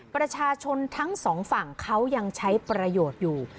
ประชาชนทั้งสองฝั่งเขายังใช้ประโยชน์อยู่